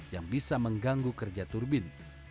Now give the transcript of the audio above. yang bisa mengganggu kerja turbin